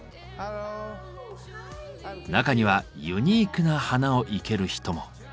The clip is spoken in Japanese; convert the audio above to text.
中にはユニークな花を生ける人も。